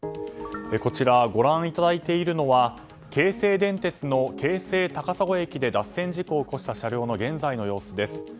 ご覧いただいているのは京成電鉄の京成高砂駅で脱線事故を起こした車両の現在の様子です。